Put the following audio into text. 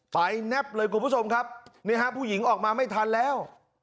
แนบเลยคุณผู้ชมครับนี่ฮะผู้หญิงออกมาไม่ทันแล้ว